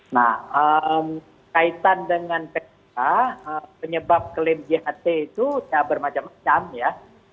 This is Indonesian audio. nah kaitan dengan pk penyebab klaim jht itu bermacam macam ya